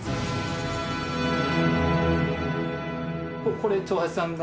これ長八さんが。